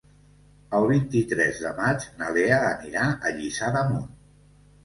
El vint-i-tres de maig na Lea anirà a Lliçà d'Amunt.